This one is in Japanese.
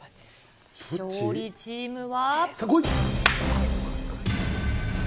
勝利チームは。